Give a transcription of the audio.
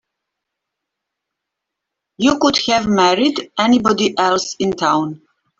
You could have married anybody else in town.